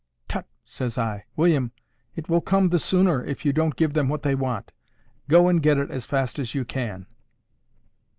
—"Tut!" says I, "William, it will come the sooner if you don't give them what they want. Go and get it as fast as you can."